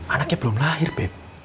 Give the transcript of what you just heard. anaknya belum lahir beb